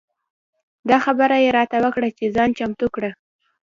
دا خبره یې راته وکړه چې ځان چمتو کړه.